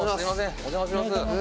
お邪魔します。